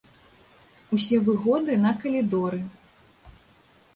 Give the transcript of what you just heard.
Усе выгоды на калідоры.